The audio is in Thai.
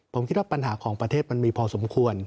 ผมคิดว่าปัญหาของประเทศมันมีพอสมควร